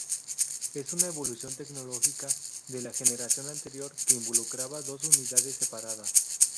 Es una evolución tecnológica de la generación anterior, que involucraba dos unidades separadas.